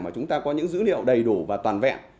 mà chúng ta có những dữ liệu đầy đủ và toàn vẹn